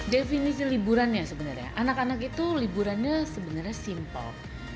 definisi liburannya sebenarnya anak anak itu liburannya sebenarnya simple